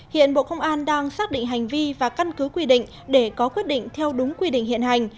hiện bộ công an đang xác định hành vi và căn cứ quy định để có quyết định theo đúng quy định hiện hành